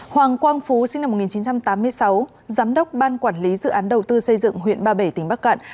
hoàng quang phú sinh năm một nghìn chín trăm tám mươi sáu giám đốc ban quản lý dự án đầu tư xây dựng huyện ba bể tỉnh bắc cạn